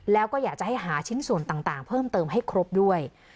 แล้วก็อยากจะให้หาชิ้นส่วนต่างเพิ่มเติมให้ครบด้วย